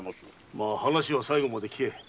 まあ話は最後まで聞け。